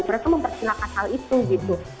mereka mempersilahkan hal itu gitu